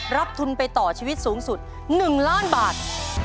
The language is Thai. รับทุนไปต่อชีวิตสูงสุด๑ล้านบาท